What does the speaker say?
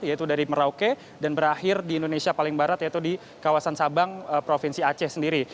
yaitu dari merauke dan berakhir di indonesia paling barat yaitu di kawasan sabang provinsi aceh sendiri